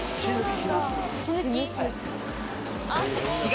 血抜き？